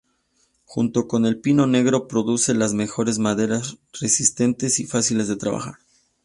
Junto con el pino negro produce las mejores maderas, resistentes y fáciles de trabajar.